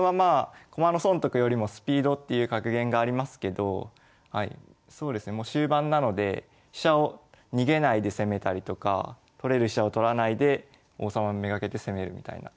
いう格言がありますけどそうですねもう終盤なので飛車を逃げないで攻めたりとか取れる飛車を取らないで王様を目がけて攻めるみたいな。